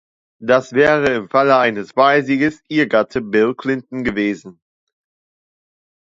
Das wäre, im Falle eines Wahlsieges, ihr Gatte Bill Clinton gewesen.